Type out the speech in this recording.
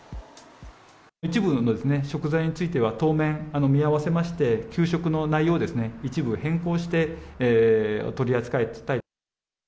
一部の食材については、当面、見合わせまして、給食の内容を一部変更して取り扱いたい。